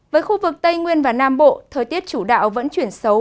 với khu vực tây nguyên và nam bộ thời tiết chủ đạo vẫn chuyển xấu